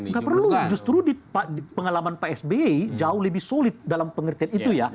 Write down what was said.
tidak perlu justru pengalaman psbi jauh lebih solid dalam pengertian itu ya